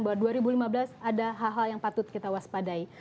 bahwa dua ribu lima belas ada hal hal yang patut kita waspadai